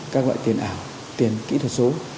các loại tiền ảo tiền kỹ thuật số